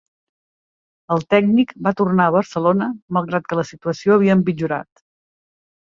El tècnic va tornar a Barcelona malgrat que la situació havia empitjorat.